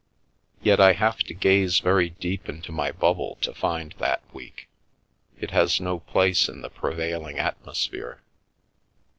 Yet I have to gaze very deep into my bubble to find that week — it has no place in the prevailing atmosphere.